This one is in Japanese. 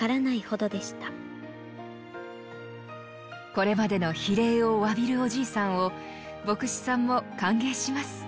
これまでの非礼をわびるおじいさんを牧師さんも歓迎します。